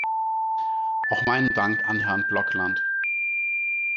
Auch meinen Dank an Herrn Blokland.